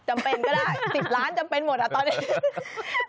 จำเป็นก็ได้๑๐ล้านจำเป็นหมดอ่ะตอนนี้